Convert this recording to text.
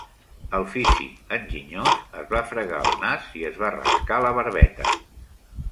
El físic enginyós es va fregar el nas i es va rascar la barbeta.